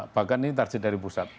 bahkan ini target dari pusat